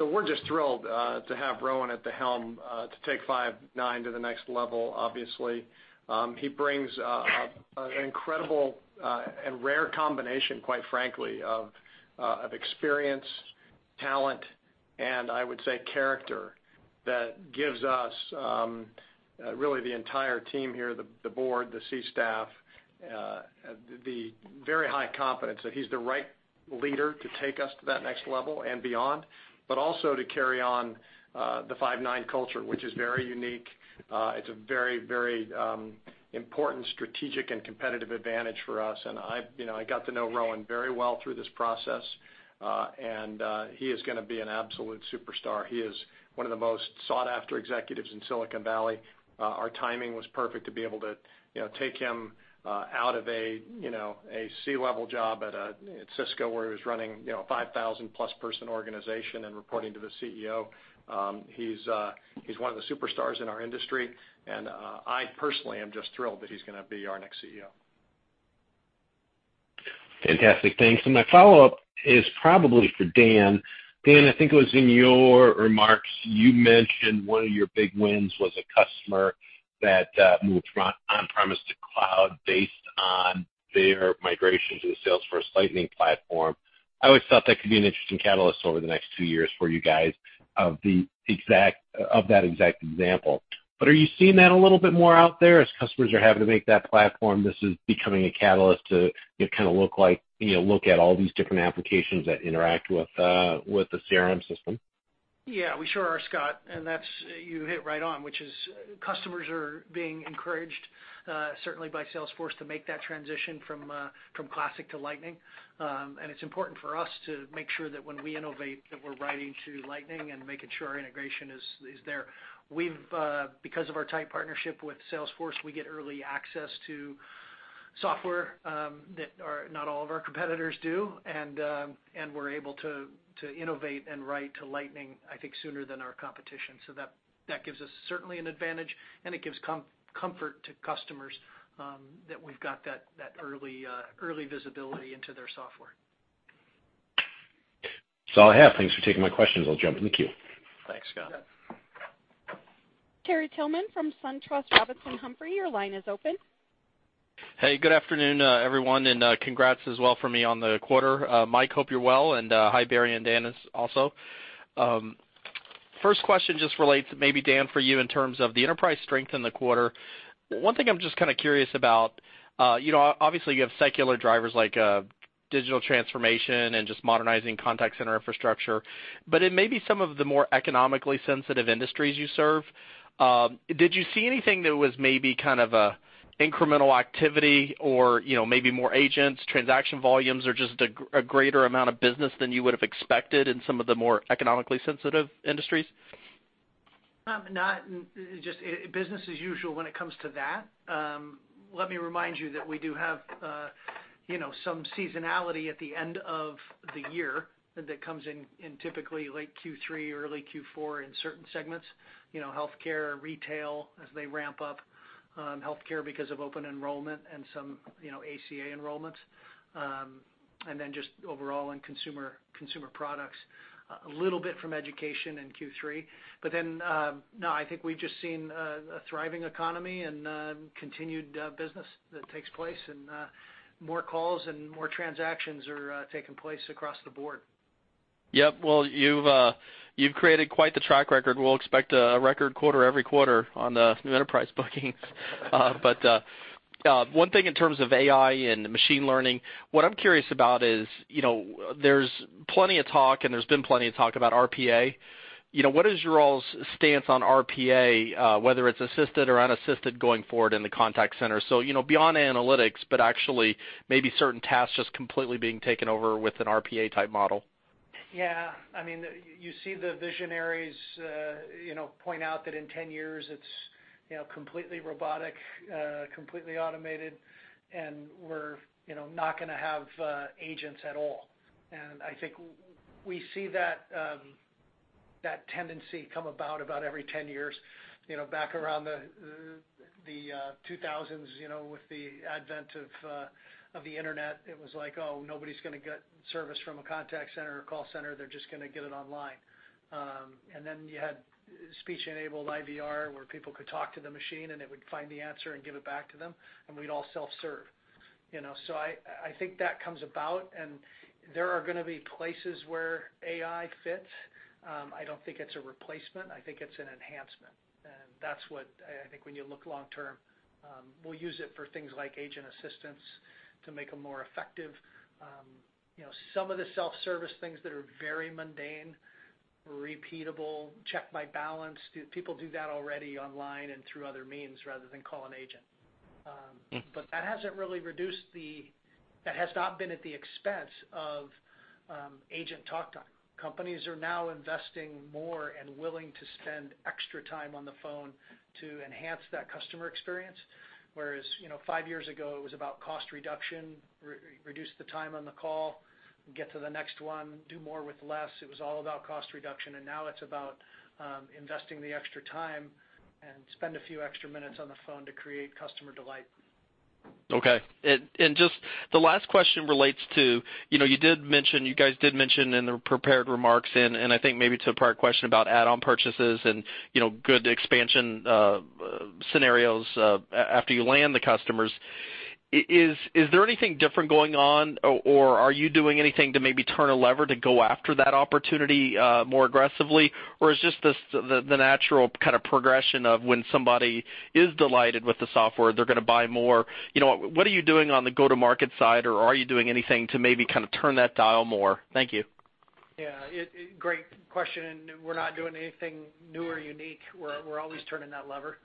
We're just thrilled to have Rowan at the helm to take Five9 to the next level, obviously. He brings an incredible and rare combination, quite frankly, of experience, talent, and I would say, character, that gives us, really the entire team here, the board, the C-suite staff, the very high confidence that he's the right leader to take us to that next level and beyond, but also to carry on the Five9 culture, which is very unique. It's a very important strategic and competitive advantage for us. I got to know Rowan very well through this process. He is going to be an absolute superstar. He is one of the most sought-after executives in Silicon Valley. Our timing was perfect to be able to take him out of a C-level job at Cisco, where he was running a 5,000-plus person organization and reporting to the CEO. He's one of the superstars in our industry. I personally am just thrilled that he's going to be our next CEO. Fantastic. Thanks. My follow-up is probably for Dan. Dan, I think it was in your remarks, you mentioned one of your big wins was a customer that moved from on-premise to cloud based on their migration to the Salesforce Lightning platform. I always thought that could be an interesting catalyst over the next two years for you guys of that exact example. Are you seeing that a little bit more out there as customers are having to make that platform? This is becoming a catalyst to kind of look at all these different applications that interact with the CRM system. Yeah, we sure are, Scott. You hit right on, which is customers are being encouraged, certainly by Salesforce, to make that transition from Classic to Lightning. It's important for us to make sure that when we innovate, that we're writing to Lightning and making sure our integration is there. Because of our tight partnership with Salesforce, we get early access to software that not all of our competitors do, and we're able to innovate and write to Lightning, I think, sooner than our competition. That gives us certainly an advantage, and it gives comfort to customers that we've got that early visibility into their software. That's all I have. Thanks for taking my questions. I'll jump in the queue. Thanks, Scott. Terrell Tillman from SunTrust Robinson Humphrey, your line is open. Hey, good afternoon, everyone. Congrats as well from me on the quarter. Mike, hope you're well, and hi, Barry and Dan also. First question just relates maybe Dan, for you in terms of the enterprise strength in the quarter. One thing I'm just kind of curious about, obviously you have secular drivers like digital transformation and just modernizing contact center infrastructure, but in maybe some of the more economically sensitive industries you serve, did you see anything that was maybe kind of an incremental activity or maybe more agents, transaction volumes or just a greater amount of business than you would've expected in some of the more economically sensitive industries? Not just business as usual when it comes to that. Let me remind you that we do have some seasonality at the end of the year that comes in typically late Q3 or early Q4 in certain segments. Healthcare, retail, as they ramp up, healthcare because of open enrollment and some ACA enrollments. Just overall in consumer products, a little bit from education in Q3. No, I think we've just seen a thriving economy and continued business that takes place, and more calls and more transactions are taking place across the board. Yep. Well, you've created quite the track record. We'll expect a record quarter every quarter on the new enterprise bookings. One thing in terms of AI and machine learning, what I'm curious about is, there's plenty of talk, and there's been plenty of talk about RPA. What is your all's stance on RPA, whether it's assisted or unassisted, going forward in the contact center? Beyond analytics, but actually maybe certain tasks just completely being taken over with an RPA type model. Yeah. You see the visionaries point out that in 10 years, it's completely robotic, completely automated, and we're not going to have agents at all. I think we see that tendency come about every 10 years. Back around the 2000s, with the advent of the internet, it was like, "Oh, nobody's going to get service from a contact center or call center. They're just going to get it online." You had speech-enabled IVR, where people could talk to the machine, and it would find the answer and give it back to them, and we'd all self-serve. I think that comes about, and there are going to be places where AI fits. I don't think it's a replacement. I think it's an enhancement. That's what I think when you look long term, we'll use it for things like agent assistance to make them more effective. Some of the self-service things that are very mundane, repeatable, check my balance, people do that already online and through other means rather than call an agent. That has not been at the expense of agent talk time. Companies are now investing more and willing to spend extra time on the phone to enhance that customer experience. Whereas five years ago, it was about cost reduction, reduce the time on the call, and get to the next one, do more with less. It was all about cost reduction. Now it's about investing the extra time and spend a few extra minutes on the phone to create customer delight. Okay. Just the last question relates to, you guys did mention in the prepared remarks and I think maybe to a prior question about add-on purchases and good expansion scenarios after you land the customers. Is there anything different going on, or are you doing anything to maybe turn a lever to go after that opportunity more aggressively? Or is it just the natural kind of progression of when somebody is delighted with the software, they're going to buy more? What are you doing on the go-to-market side, or are you doing anything to maybe turn that dial more? Thank you. Yeah. Great question. We're not doing anything new or unique. We're always turning that lever.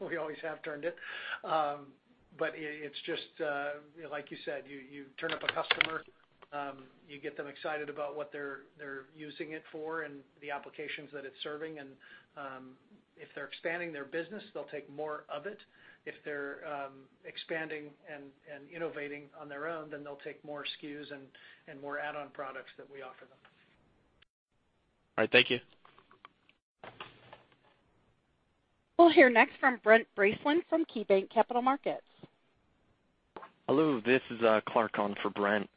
We always have turned it. It's just, like you said, you turn up a customer, you get them excited about what they're using it for and the applications that it's serving. If they're expanding their business, they'll take more of it. If they're expanding and innovating on their own, then they'll take more SKUs and more add-on products that we offer them. All right. Thank you. We'll hear next from Brent Bracelin from KeyBanc Capital Markets. Hello, this is Clark on for Brent.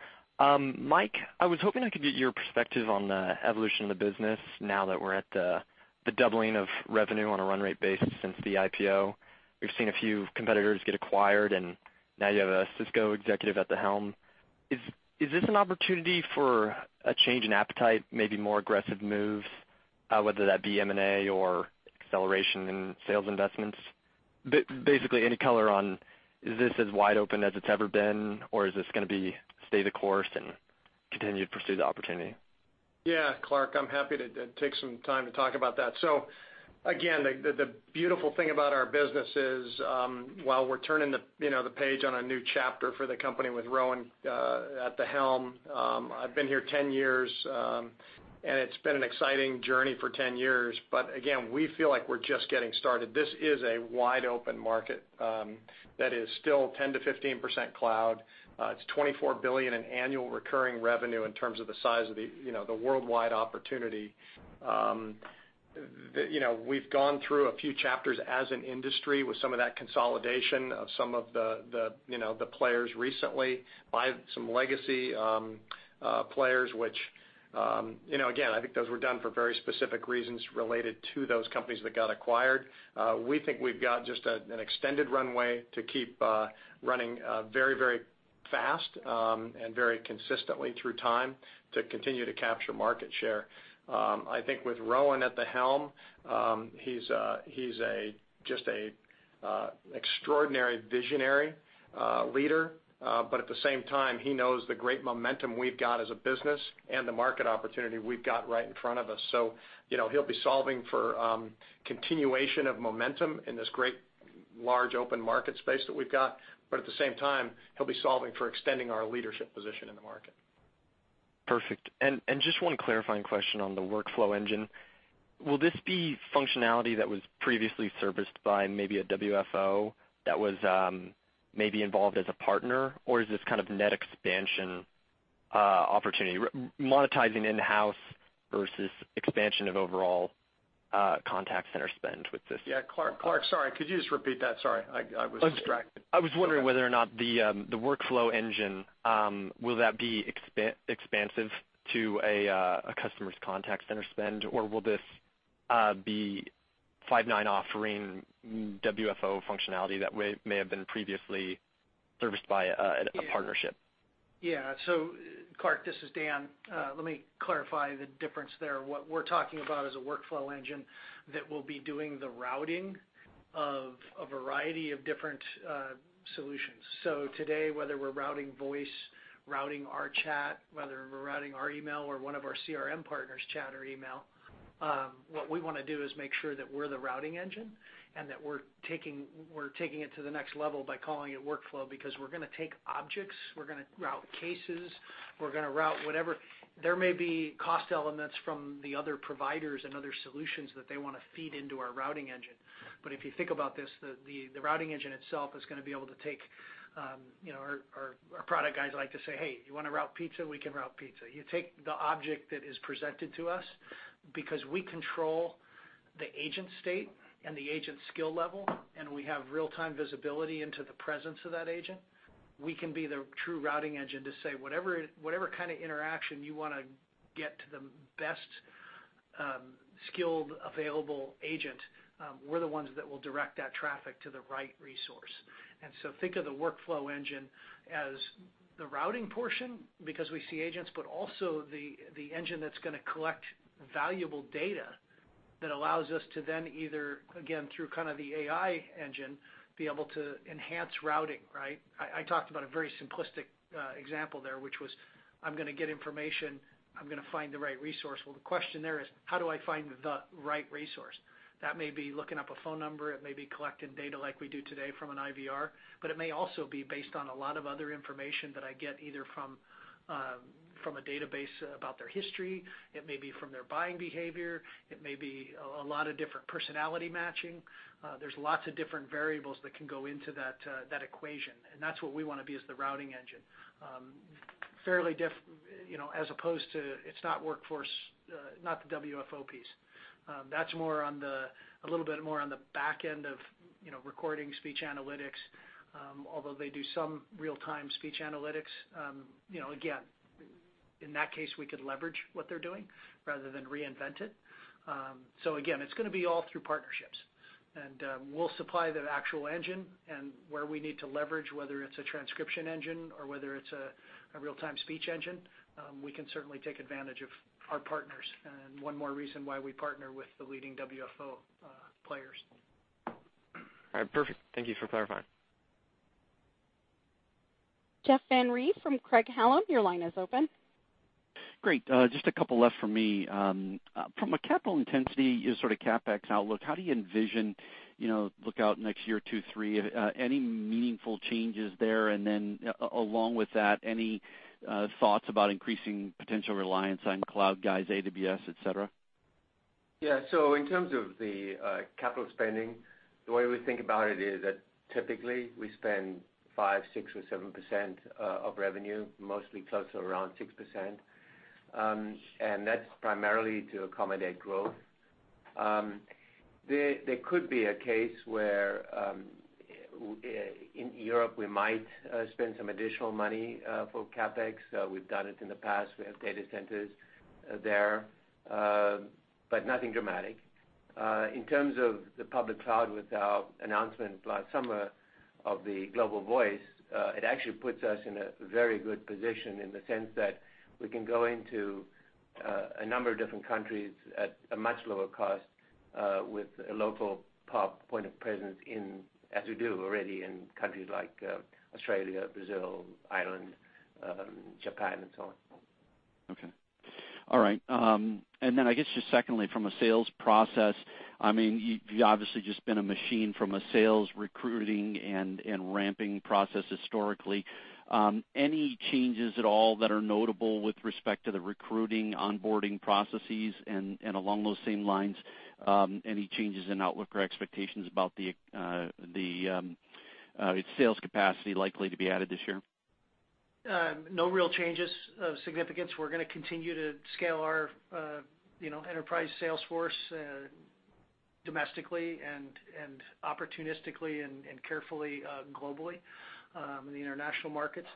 Mike, I was hoping I could get your perspective on the evolution of the business now that we're at the doubling of revenue on a run rate basis since the IPO. We've seen a few competitors get acquired, now you have a Cisco executive at the helm. Is this an opportunity for a change in appetite, maybe more aggressive moves, whether that be M&A or acceleration in sales investments? Basically, any color on, is this as wide open as it's ever been, or is this going to be stay the course and continue to pursue the opportunity? Yeah, Clark, I'm happy to take some time to talk about that. Again, the beautiful thing about our business is, while we're turning the page on a new chapter for the company with Rowan at the helm, I've been here 10 years, and it's been an exciting journey for 10 years. Again, we feel like we're just getting started. This is a wide-open market that is still 10%-15% cloud. It's $24 billion in annual recurring revenue in terms of the size of the worldwide opportunity. We've gone through a few chapters as an industry with some of that consolidation of some of the players recently, by some legacy players, which again, I think those were done for very specific reasons related to those companies that got acquired. We think we've got just an extended runway to keep running very fast and very consistently through time to continue to capture market share. I think with Rowan at the helm, he's just an extraordinary visionary leader, at the same time, he knows the great momentum we've got as a business and the market opportunity we've got right in front of us. He'll be solving for continuation of momentum in this great, large, open market space that we've got. At the same time, he'll be solving for extending our leadership position in the market. Perfect. Just one clarifying question on the workflow engine. Will this be functionality that was previously serviced by maybe a WFO that was maybe involved as a partner, or is this kind of net expansion opportunity, monetizing in-house versus expansion of overall contact center spend with this? Yeah, Clark, sorry, could you just repeat that? Sorry, I was distracted. I was wondering whether or not the workflow engine, will that be expansive to a customer's contact center spend, or will this be Five9 offering WFO functionality that may have been previously serviced by a partnership? Yeah. Clark, this is Dan. Let me clarify the difference there. What we're talking about is a workflow engine that will be doing the routing of a variety of different solutions. Today, whether we're routing voice, routing our chat, whether we're routing our email or one of our CRM partners' chat or email, what we want to do is make sure that we're the routing engine and that we're taking it to the next level by calling it workflow. We're going to take objects, we're going to route cases, we're going to route whatever. There may be cost elements from the other providers and other solutions that they want to feed into our routing engine. If you think about this, the routing engine itself is going to be able to take. Our product guys like to say, "Hey, you want to route pizza? We can route pizza. You take the object that is presented to us because we control the agent state and the agent skill level, and we have real-time visibility into the presence of that agent. We can be the true routing engine to say whatever kind of interaction you want to get to the best skilled available agent, we're the ones that will direct that traffic to the right resource. Think of the workflow engine as the routing portion because we see agents, but also the engine that's going to collect valuable data that allows us to then either, again, through kind of the AI engine, be able to enhance routing. I talked about a very simplistic example there, which was, I'm going to get information, I'm going to find the right resource. Well, the question there is, how do I find the right resource? That may be looking up a phone number, it may be collecting data like we do today from an IVR, but it may also be based on a lot of other information that I get either from a database about their history. It may be from their buying behavior. It may be a lot of different personality matching. There's lots of different variables that can go into that equation, and that's what we want to be is the routing engine. As opposed to, it's not the WFO piece. That's a little bit more on the back end of recording speech analytics, although they do some real-time speech analytics. Again, in that case, we could leverage what they're doing rather than reinvent it. Again, it's going to be all through partnerships. We'll supply the actual engine and where we need to leverage, whether it's a transcription engine or whether it's a real-time speech engine, we can certainly take advantage of our partners. One more reason why we partner with the leading WFO players. All right, perfect. Thank you for clarifying. Jeff Van Rhee from Craig-Hallum, your line is open. Great. Just a couple left from me. From a capital intensity sort of CapEx outlook, how do you envision look out next year, two, three, any meaningful changes there? Along with that, any thoughts about increasing potential reliance on cloud guys, AWS, et cetera? In terms of the capital spending, the way we think about it is that typically we spend five, six or seven percent of revenue, mostly closer to around six percent, and that's primarily to accommodate growth. There could be a case where in Europe we might spend some additional money for CapEx. We've done it in the past. We have data centers there, but nothing dramatic. In terms of the public cloud with our announcement last summer of the Global Voice, it actually puts us in a very good position in the sense that we can go into a number of different countries at a much lower cost, with a local POP point of presence, as we do already in countries like Australia, Brazil, Ireland, Japan, and so on. Okay. All right. I guess just secondly, from a sales process, you've obviously just been a machine from a sales recruiting and ramping process historically. Any changes at all that are notable with respect to the recruiting, onboarding processes, and along those same lines, any changes in outlook or expectations about its sales capacity likely to be added this year? No real changes of significance. We're going to continue to scale our enterprise sales force domestically and opportunistically and carefully globally in the international markets.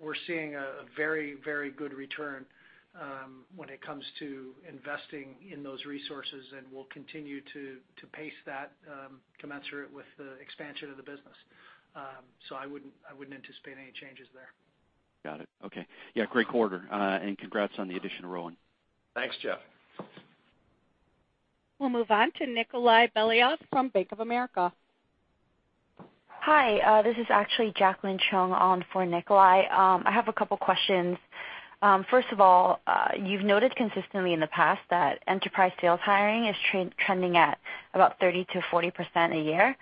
We're seeing a very good return when it comes to investing in those resources, and we'll continue to pace that commensurate with the expansion of the business. I wouldn't anticipate any changes there. Got it. Okay. Yeah, great quarter, and congrats on the addition of Rowan. Thanks, Jeff. We'll move on to Nikolay Beliov from Bank of America. Hi, this is actually Jacqueline Chung on for Nikolay. I have a couple questions. First of all, you've noted consistently in the past that enterprise sales hiring is trending at about 30%-40% a year.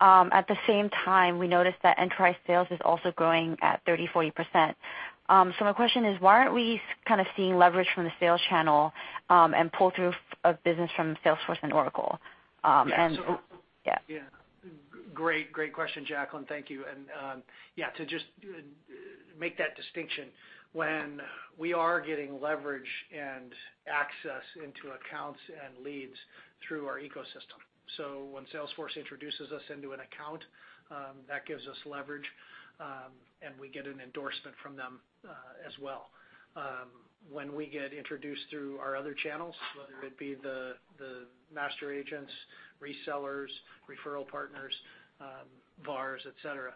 At the same time, we noticed that enterprise sales is also growing at 30%, 40%. My question is, why aren't we kind of seeing leverage from the sales channel, and pull-through of business from Salesforce and Oracle? Yeah. Yeah. Great question, Jacqueline. Thank you. Yeah, to just make that distinction, when we are getting leverage and access into accounts and leads through our ecosystem. When Salesforce introduces us into an account, that gives us leverage, and we get an endorsement from them as well. When we get introduced through our other channels, whether it be the master agents, resellers, referral partners, VARs, et cetera,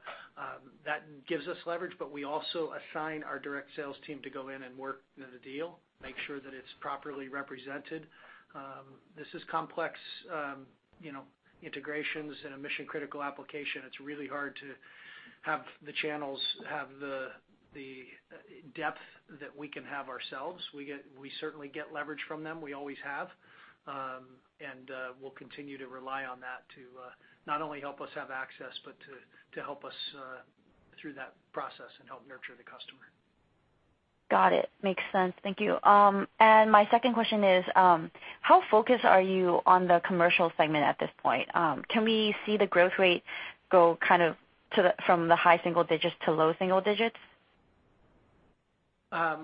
that gives us leverage, but we also assign our direct sales team to go in and work the deal, make sure that it's properly represented. This is complex integrations and a mission-critical application. It's really hard to have the channels have the depth that we can have ourselves. We certainly get leverage from them. We always have. We'll continue to rely on that to not only help us have access, but to help us through that process and help nurture the customer. Got it. Makes sense. Thank you. My second question is, how focused are you on the commercial segment at this point? Can we see the growth rate go from the high single digits to low single digits?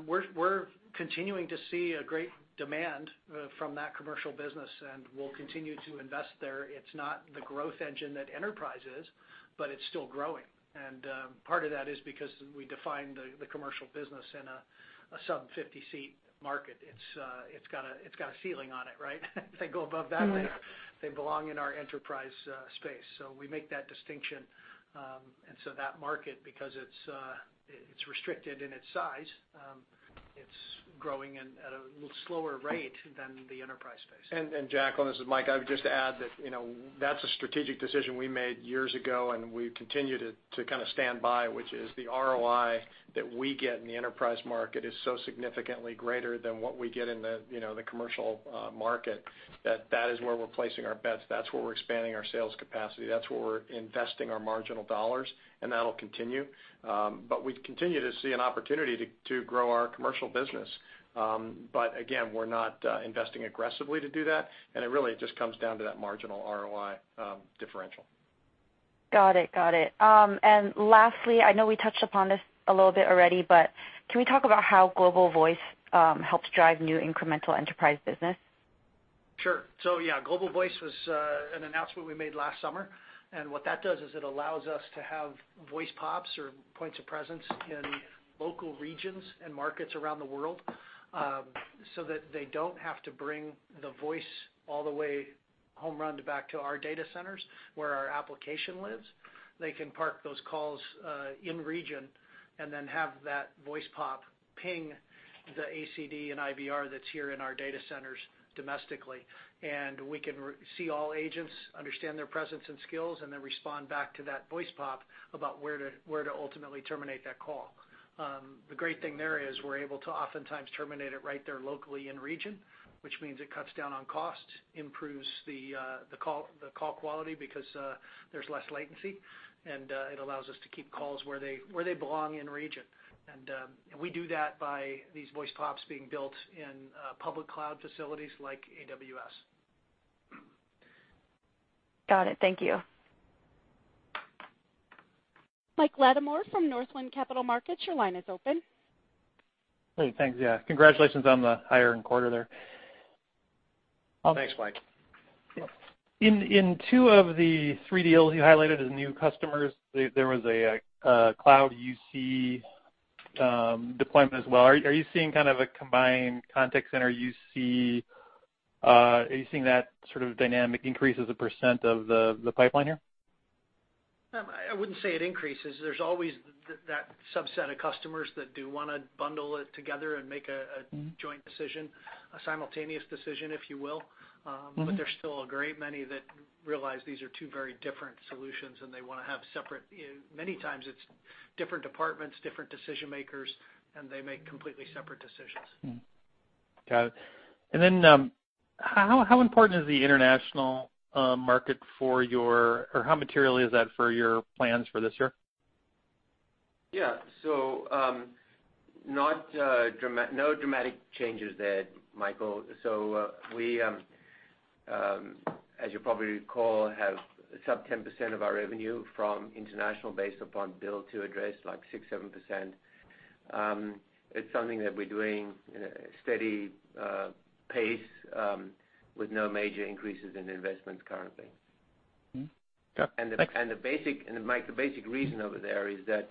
We're continuing to see a great demand from that commercial business, and we'll continue to invest there. It's not the growth engine that enterprise is, but it's still growing. Part of that is because we define the commercial business in a sub 50 seat market. It's got a ceiling on it, right? If they go above that, they belong in our enterprise space. We make that distinction, and that market, because it's restricted in its size, it's growing at a slower rate than the enterprise space. Jacqueline, this is Mike. I would just add that's a strategic decision we made years ago, and we continue to kind of stand by, which is the ROI that we get in the enterprise market is so significantly greater than what we get in the commercial market. That is where we're placing our bets. That's where we're expanding our sales capacity. That's where we're investing our marginal dollars, and that will continue. We continue to see an opportunity to grow our commercial business. Again, we're not investing aggressively to do that, and it really just comes down to that marginal ROI differential. Got it. Lastly, I know we touched upon this a little bit already, but can we talk about how Global Voice helps drive new incremental enterprise business? Sure. Yeah, Global Voice was an announcement we made last summer, and what that does is it allows us to have voice pops or points of presence in local regions and markets around the world, so that they don't have to bring the voice all the way home run back to our data centers where our application lives. They can park those calls in region and then have that voice pop ping the ACD and IVR that's here in our data centers domestically. We can see all agents, understand their presence and skills, and then respond back to that voice pop about where to ultimately terminate that call. The great thing there is we're able to oftentimes terminate it right there locally in region, which means it cuts down on cost, improves the call quality because there's less latency, and it allows us to keep calls where they belong in region. We do that by these voice pops being built in public cloud facilities like AWS. Got it. Thank you. Michael Latimore from Northland Capital Markets, your line is open. Hey, thanks. Yeah. Congratulations on the higher end quarter there. Thanks, Mike. Yeah. In two of the three deals you highlighted as new customers, there was a cloud UC deployment as well. Are you seeing that sort of dynamic increase as a percent of the pipeline here? I wouldn't say it increases. There's always that subset of customers that do want to bundle it together and make a joint decision, a simultaneous decision, if you will. There's still a great many that realize these are two very different solutions. Many times it's different departments, different decision makers, and they make completely separate decisions. Mm-hmm. Got it. How important is the international market, or how material is that for your plans for this year? no dramatic changes there, Michael. we, as you probably recall, have sub 10% of our revenue from international based upon bill to address, like 6%, 7%. It's something that we're doing at a steady pace with no major increases in investments currently. Mm-hmm. Got it. Thanks. Mike, the basic reason over there is that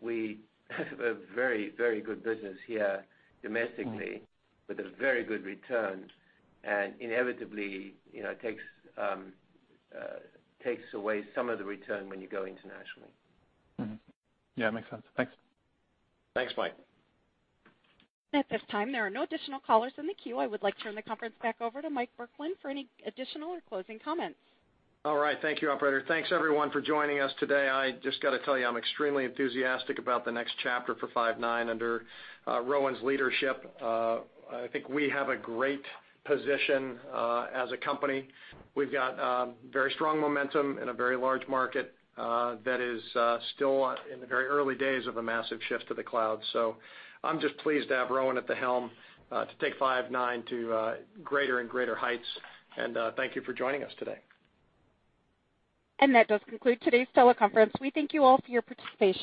we have a very, very good business here domestically- with a very good return, inevitably, it takes away some of the return when you go internationally. Yeah, makes sense. Thanks. Thanks, Mike. At this time, there are no additional callers in the queue. I would like to turn the conference back over to Mike Burkland for any additional or closing comments. All right. Thank you, operator. Thanks everyone for joining us today. I just got to tell you, I'm extremely enthusiastic about the next chapter for Five9 under Rowan's leadership. I think we have a great position as a company. We've got very strong momentum in a very large market that is still in the very early days of a massive shift to the cloud. I'm just pleased to have Rowan at the helm to take Five9 to greater and greater heights, and thank you for joining us today. That does conclude today's teleconference. We thank you all for your participation.